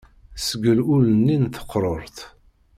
Sgel ul-nni n teqṛuṛt.